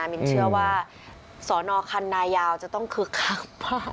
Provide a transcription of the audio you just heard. มินเชื่อว่าสอนอคันนายาวจะต้องคึกคัก